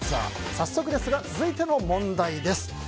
早速ですが、続いての問題です。